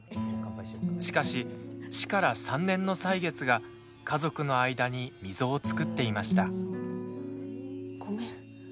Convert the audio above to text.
しかし、死から３年の歳月が家族の間に溝を作っていました。